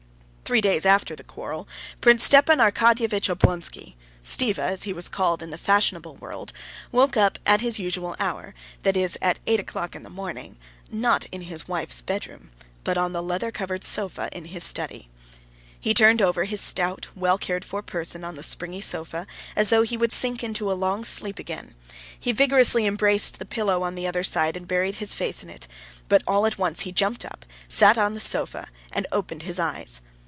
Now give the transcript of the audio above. Three days after the quarrel, Prince Stepan Arkadyevitch Oblonsky—Stiva, as he was called in the fashionable world—woke up at his usual hour, that is, at eight o'clock in the morning, not in his wife's bedroom, but on the leather covered sofa in his study. He turned over his stout, well cared for person on the springy sofa, as though he would sink into a long sleep again; he vigorously embraced the pillow on the other side and buried his face in it; but all at once he jumped up, sat up on the sofa, and opened his eyes.